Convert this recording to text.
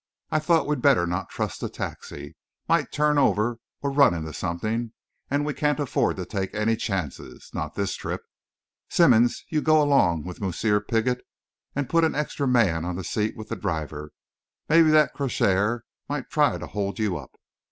I thought we'd better not trust a taxi might turn over or run into something, and we can't afford to take any chances not this trip. Simmonds, you go along with Moosseer Piggott, and put an extra man on the seat with the driver. Maybe that Croshar might try to hold you up."